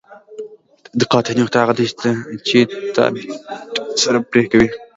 د تقاطع نقطه هغه ده چې تانجانتونه سره پرې کوي